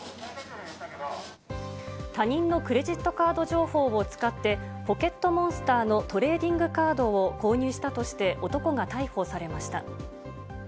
他人のクレジットカード情報を使って、『ポケットモンスター』のトレーディングカードを購入したとして男が逮捕されました。